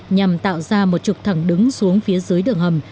nhằm tạo ra một trục thẳng đứng xuống phía dưới đường hầm